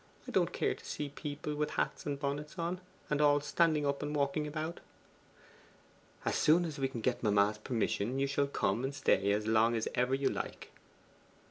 I don't care to see people with hats and bonnets on, and all standing up and walking about.' 'As soon as we can get mamma's permission you shall come and stay as long as ever you like.